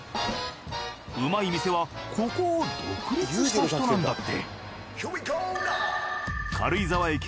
うまい店はここを独立した人なんだって。